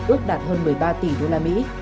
ước đạt hơn một mươi ba tỷ usd